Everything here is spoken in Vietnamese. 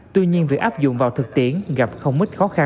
tuy nhiên việc áp dụng vào thực tiễn gặp không ít khó khăn